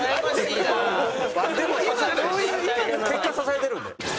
結果支えてるので。